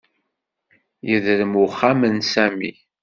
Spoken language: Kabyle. Yedrem uxxam n Sami